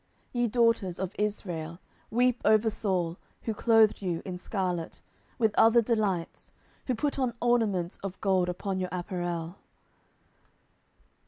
10:001:024 Ye daughters of Israel, weep over Saul, who clothed you in scarlet, with other delights, who put on ornaments of gold upon your apparel.